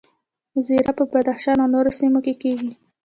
زیره په بدخشان او نورو سیمو کې کیږي